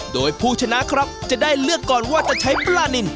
โดยผู้ชนะครับจะได้เลือกก่อนว่าจะใช้ปลานิน